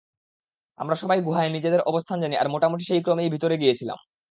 আমরা সবাই গুহায় নিজেদের অবস্থান জানি আর মোটামুটি সেই ক্রমেই ভিতরে গিয়েছিলাম।